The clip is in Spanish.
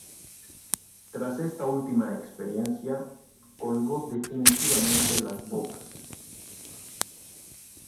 Tras esta última experiencia, colgó definitivamente las botas.